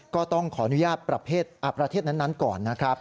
ก็ต้องขออนุญาตประเภทประเทศนั้นก่อนนะครับ